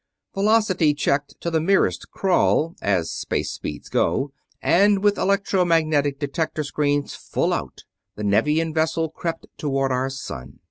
Velocity checked to the merest crawl, as space speeds go, and with electro magnetic detector screens full out, the Nevian vessel crept toward our sun.